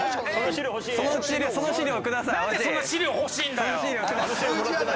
なんでそんな資料欲しいんだよ？